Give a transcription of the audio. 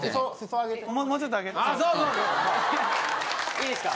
いいですか？